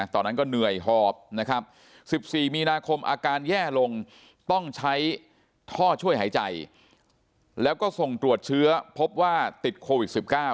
ตอนนั้นก็เหนื่อยหอบนะครับ๑๔มีนาคมอาการแย่ลงต้องใช้ท่อช่วยหายใจแล้วก็ส่งตรวจเชื้อพบว่าติดโควิด๑๙